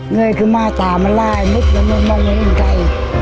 เงยขึ้นมาตามมาล่ายมันไม่มองมาลงใจ